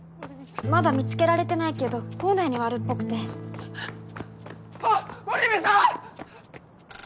まだ見つけられてないけど校内にはあるっぽくてあっ守見さん！